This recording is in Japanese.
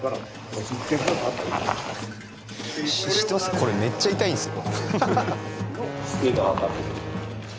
これめっちゃ痛いんすよ。